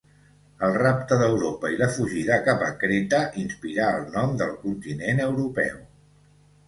El rapte d'Europa i la fugida cap a Creta inspirà el nom del continent europeu.